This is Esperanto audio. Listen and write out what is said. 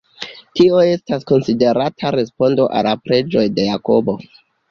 Tio estas konsiderata respondo al la preĝoj de Jakobo.